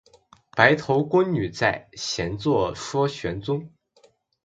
白头宫女在，闲坐说玄宗。